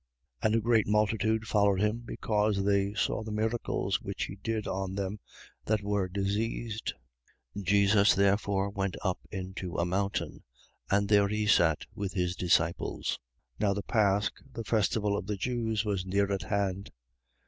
6:2. And a great multitude followed him, because they saw the miracles which he did on them that were diseased. 6:3. Jesus therefore went up into a mountain: and there he sat with his disciples. 6:4. Now the pasch, the festival day of the Jews, was near at hand.